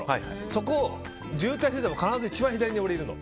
そこを渋滞していても必ず一番左にいるの。